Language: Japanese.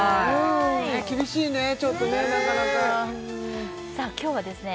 厳しいねちょっとねなかなか今日はですね